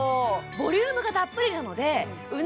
ボリュームがたっぷりなのでう